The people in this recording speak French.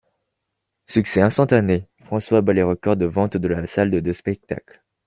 Succès instantané, François bat les records de vente de la salle de spectacle.